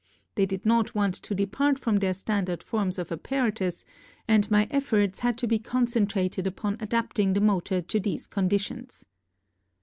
They did not want to depart from their standard forms of apparatus and my efforts had to be con centrated upon adapting the motor to these conditions.